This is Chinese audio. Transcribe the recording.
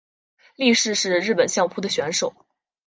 力士是日本相扑的选手。